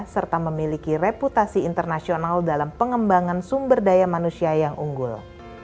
serta memiliki reputasi internasional dalam pengembangan sumber daya manusia yang unggul